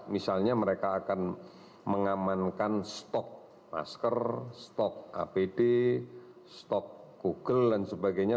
misalnya mereka akan mengamankan stok masker stok apd stok google dan sebagainya